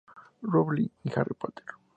Rowling y Harry Potter.